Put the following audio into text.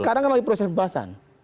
sekarang kan lagi proses pembahasan